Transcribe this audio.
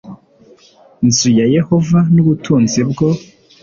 nzu ya yehova n ubutunzi bwo